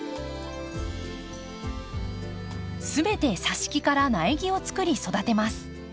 全てさし木から苗木をつくり育てます。